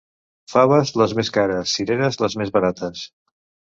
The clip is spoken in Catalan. Faves, les més cares; cireres, les més barates.